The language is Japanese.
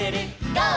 ゴー！」